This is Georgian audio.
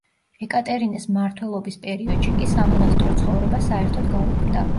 ეკატერინეს მმართველობის პერიოდში კი სამონასტრო ცხოვრება საერთოდ გაუქმდა.